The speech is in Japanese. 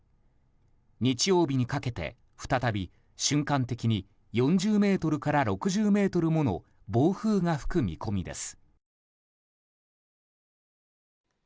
日曜日にかけて再び瞬間的に４０メートルから６０メートルもの暴風が吹く見込みです。